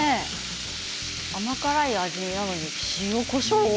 甘辛い味なのに塩、こしょうを？